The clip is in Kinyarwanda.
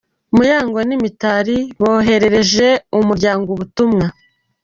Muyango n’Imitari boherereje umuryango Ubutumwa